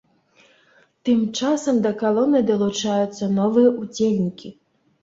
Тым часам да калоны далучаюцца новыя ўдзельнікі.